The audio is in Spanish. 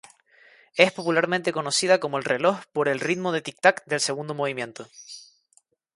Es popularmente conocida como El reloj por el ritmo de tic-tac del segundo movimiento.